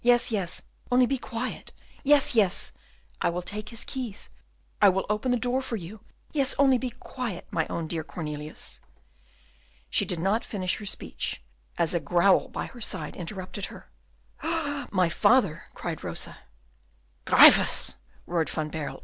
"Yes, yes, only be quiet. Yes, yes, I will take his keys, I will open the door for you! Yes, only be quiet, my own dear Cornelius." She did not finish her speech, as a growl by her side interrupted her. "My father!" cried Rosa. "Gryphus!" roared Van Baerle.